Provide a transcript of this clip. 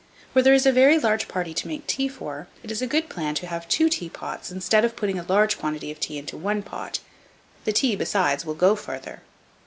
Where there is a very large party to make tea for, it is a good plan to have two teapots instead of putting a large quantity of tea into one pot; the tea, besides, will go farther.